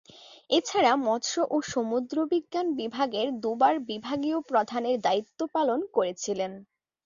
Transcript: এছাড়া তিনি মৎস্য ও সমুদ্র বিজ্ঞান বিভাগের দুবার বিভাগীয় প্রধানের দায়িত্ব পালন করেছিলেন।